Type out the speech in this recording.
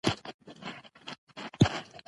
ځیني مېلې د فصلو د بدلون سره تړاو لري.